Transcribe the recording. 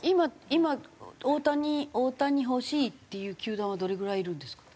今大谷大谷欲しいっていう球団はどれぐらいいるんですか？